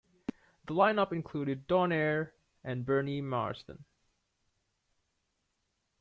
The line-up included Don Airey and Bernie Marsden.